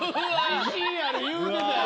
自信ある言うてたやん。